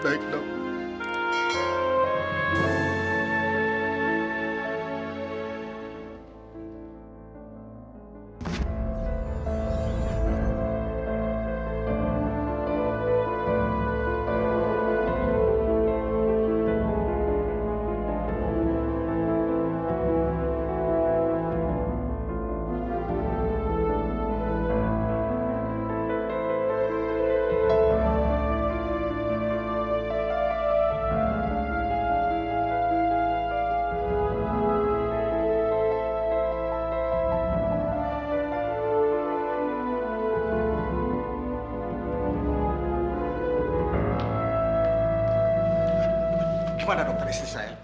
bagaimana dokter istri saya